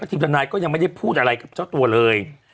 ทีมทนายก็ยังไม่ได้พูดอะไรกับเจ้าตัวเลย